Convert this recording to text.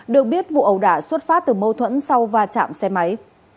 được biết vụ ẩu đả xuất phát từ mâu thuẫn sau va chạm xe máy